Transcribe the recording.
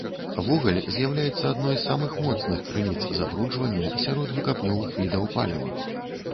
Вугаль з'яўляецца адной з самых моцных крыніц забруджвання сярод выкапнёвых відаў паліва.